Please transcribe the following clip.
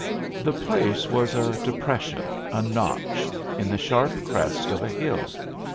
The place was a depression, a "notch," in the sharp crest of a hill.